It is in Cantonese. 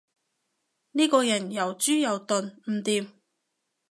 呢個人又豬又鈍，唔掂